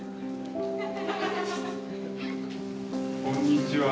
こんにちは。